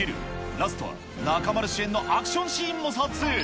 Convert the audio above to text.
ラストは、中丸主演のアクションシーンの撮影。